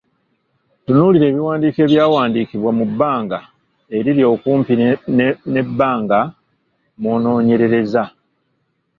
Tunuulira ebiwandiiko ebyakawandiikibwa mu bbanga eriri okumpi n’ebbanga mw’onoonyerereza.